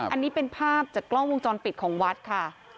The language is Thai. อันนี้เป็นภาพจากกล้องวงจรปิดของวัดค่ะ